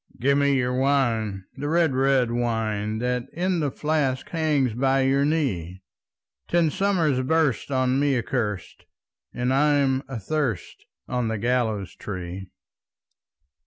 "Give me your wine, the red, red wine, That in the flask hangs by your knee! Ten summers burst on me accurst, And I'm athirst on the gallows tree."